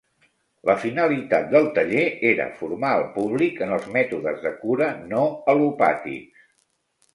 La finalitat del taller era formar el públic en els mètodes de cura no al·lopàtics.